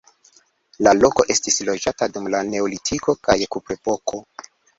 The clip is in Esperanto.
La loko estis loĝata dum la neolitiko kaj kuprepoko.